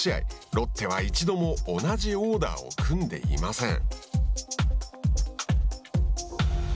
ロッテは一度も同じオーダーを組んでいません。